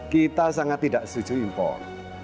kita sangat tidak setuju impor